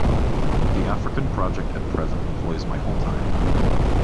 The African project at present employs my whole time.